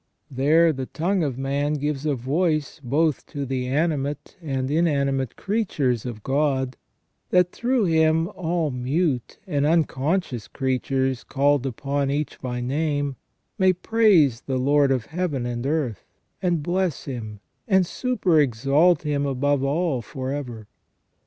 There the tongue of man gives a voice both to the animate and inanimate creatures of God, that through him all mute and unconscious creatures, called upon each by name, may praise the Lord of Heaven and earth, and bless Him, and superexalt Him above all for ever.